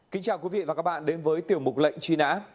kính chào quý vị và các bạn đến với tiểu mục lệnh truy nã